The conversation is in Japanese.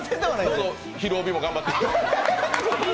どうぞ、「ひるおび」も頑張ってください。